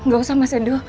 gak usah mas edo